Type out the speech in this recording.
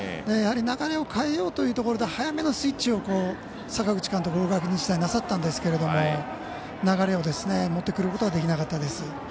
流れを変えようというところで早めのスイッチを阪口監督がなさったんですけど流れを持ってくることができなかったです。